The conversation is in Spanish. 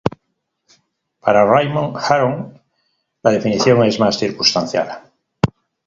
Para Raymond Aron, la definición es más circunstancial.